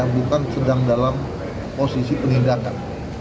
bukan sedang dalam posisi penindakan